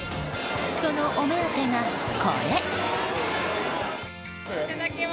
そのお目当てが、これ！